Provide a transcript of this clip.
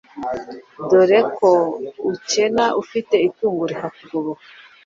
dore ko ukena ufite itungo rikakugoboka.